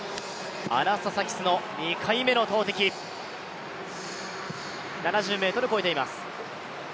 アナスタサキスの２回目の投てき、７０ｍ越えています。